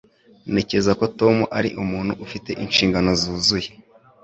Ntekereza ko Tom ari umuntu ufite inshingano zuzuye.